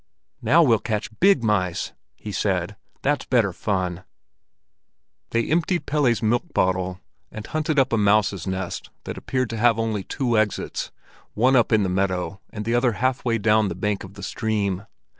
"Now we'll catch big mice." he said. "That's better fun." They emptied Pelle's milk bottle, and hunted up a mouse's nest that appeared to have only two exits, one up in the meadow, the other halfway down the bank of the stream.